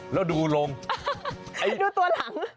แล้วดูลงดูตัวหลัง